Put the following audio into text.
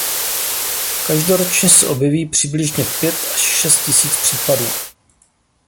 Každoročně se objeví přibližně pět až šest tisíc případů.